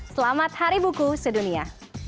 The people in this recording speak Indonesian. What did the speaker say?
selamat hari bukit sedunia